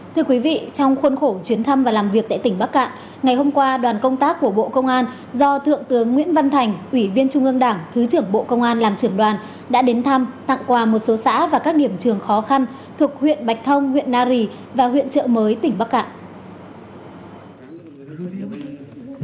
thưa quý vị trong khuôn khổ chuyến thăm và làm việc tại tỉnh bắc cạn ngày hôm qua đoàn công tác của bộ công an do thượng tướng nguyễn văn thành ủy viên trung ương đảng thứ trưởng bộ công an làm trưởng đoàn đã đến thăm tặng quà một số xã và các điểm trường khó khăn thuộc huyện bạch thông huyện nari và huyện trợ mới tỉnh bắc cạn